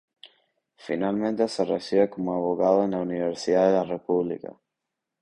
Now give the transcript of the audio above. Finalmente se recibe como abogado en la Universidad de la República.